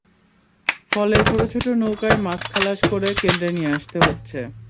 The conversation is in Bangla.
ফলে ছোট ছোট নৌকায় মাছ খালাস করে কেন্দ্রে নিয়ে আসতে হচ্ছে।